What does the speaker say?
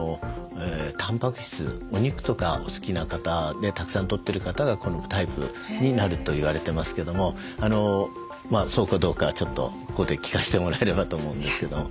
たんぱく質お肉とかお好きな方でたくさんとってる方がこのタイプになると言われてますけどもそうかどうかはちょっとここで聞かせてもらえればと思うんですけども。